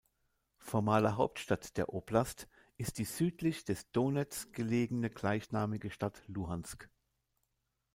Formale Hauptstadt der Oblast ist die südlich des Donez gelegene gleichnamige Stadt Luhansk.